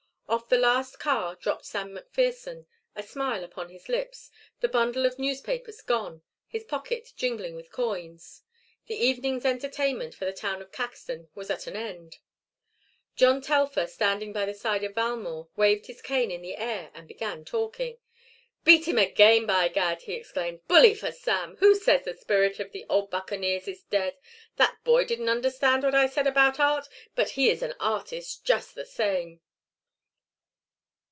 Off the last car dropped Sam McPherson, a smile upon his lips, the bundle of newspapers gone, his pocket jingling with coins. The evening's entertainment for the town of Caxton was at an end. John Telfer, standing by the side of Valmore, waved his cane in the air and began talking. "Beat him again, by Gad!" he exclaimed. "Bully for Sam! Who says the spirit of the old buccaneers is dead? That boy didn't understand what I said about art, but he is an artist just the same!"